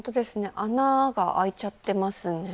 穴が開いちゃってますね。